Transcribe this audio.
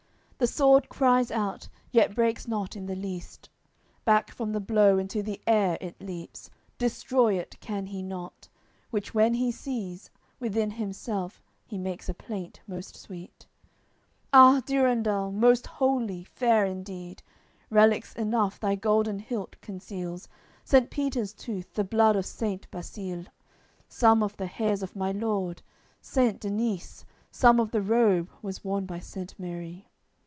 The sword cries out, yet breaks not in the least, Back from the blow into the air it leaps. Destroy it can he not; which when he sees, Within himself he makes a plaint most sweet. "Ah! Durendal, most holy, fair indeed! Relics enough thy golden hilt conceals: Saint Peter's Tooth, the Blood of Saint Basile, Some of the Hairs of my Lord, Saint Denise, Some of the Robe, was worn by Saint Mary.